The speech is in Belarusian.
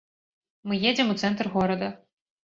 Мы едзем у цэнтр горада.